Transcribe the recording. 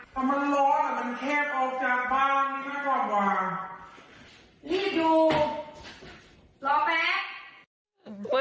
ถ้ามันร้อนแต่มันแคบเอาจากบ้างนี่ก็ได้กลับกว่า